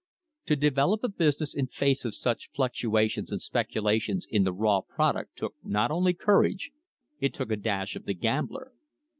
To develop a business in face of such fluctuations and speculation in the raw product took not only courage — it took a dash of the gambler.